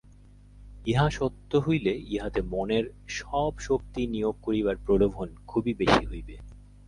ইহা সত্য হইলে ইহাতে মনের সব শক্তি নিয়োগ করিবার প্রলোভন খুবই বেশী হইবে।